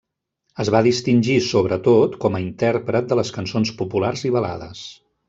Es va distingir, sobretot, com a intèrpret de les cançons populars i balades.